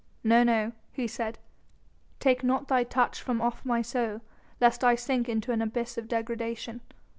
"No, no," he said, "take not thy touch from off my soul lest I sink into an abyss of degradation."